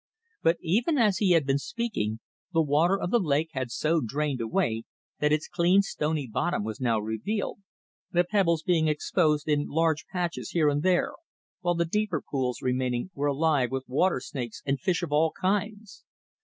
But even as he had been speaking the water of the lake had so drained away that its clean stony bottom was now revealed, the pebbles being exposed in large patches here and there, while the deeper pools remaining were alive with water snakes and fish of all kinds.